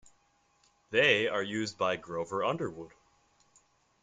They are used by Grover Underwood.